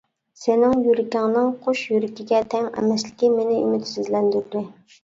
سېنىڭ يۈرىكىڭنىڭ قۇش يۈرىكىگە تەڭ ئەمەسلىكى، مېنى ئۈمىدسىزلەندۈردى.